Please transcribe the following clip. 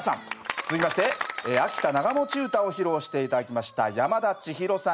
続きまして「秋田長持唄」を披露して頂きました山田千尋さん